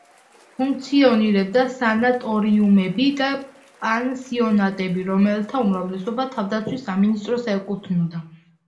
ფუნქციონირებდა სანატორიუმები და პანსიონატები, რომელთა უმრავლესობა თავდაცვის სამინისტროს ეკუთვნოდა.